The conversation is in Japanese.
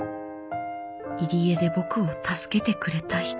入り江で僕を助けてくれた人。